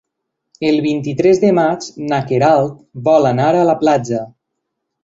El vint-i-tres de maig na Queralt vol anar a la platja.